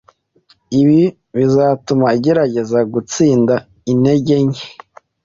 Ibi bizatuma agerageza gutsinda intege nke